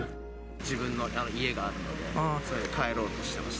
自分の家があるので、帰ろうとしていました。